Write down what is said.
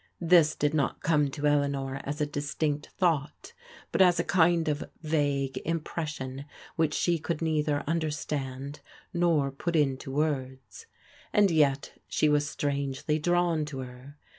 This did not come to Eleanor as a distinct Aought, but as a kind of vague impression which she could neither understand nor put into words. And yet she was strangely drawn to her.